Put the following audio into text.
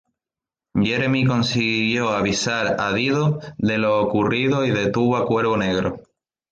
Jeremy consiguió avisar a Dido de lo ocurrido y detuvo a Cuervo Negro.